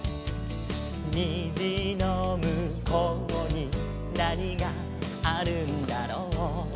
「にじのむこうになにがあるんだろう」